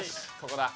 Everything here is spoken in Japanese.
ここだ。